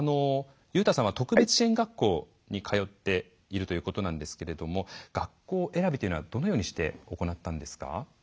優太さんは特別支援学校に通っているということなんですけれども学校選びというのはどのようにして行ったんですか？